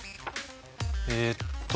えっと。